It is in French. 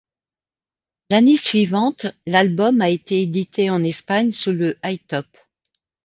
L'année suivante, l'album a été édité en Espagne sous le HiTop.